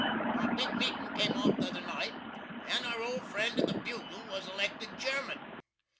Our big meetin' came off the other night, and our old friend of the "Bugle" was elected Cheerman.